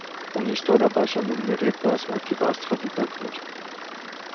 Ունի ստորաբաժանումներ եւ բազմաթիւ աստղադիտակներ։